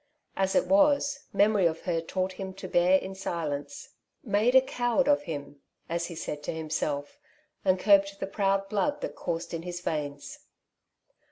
As it was, memory of her taught him to bear in silence, '^ made a coward of him/' as he said to» himself, and curbed the proud blood that coursed in his veins.